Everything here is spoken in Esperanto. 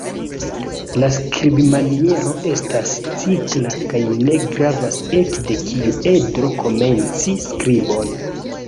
La skribmaniero estas cikla kaj ne gravas ekde kiu edro komenci skribon.